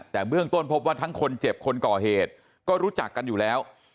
แต่เบื้องต้นพบว่าทั้งคนเจ็บคนก่อเหตุก็รู้จักกันอยู่แล้ว